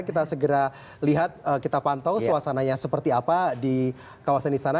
kita segera lihat kita pantau suasananya seperti apa di kawasan istana